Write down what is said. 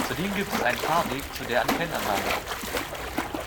Zudem gibt es einen Fahrweg zu der Antennenanlage.